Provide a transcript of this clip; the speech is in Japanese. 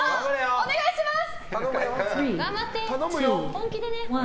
お願いします！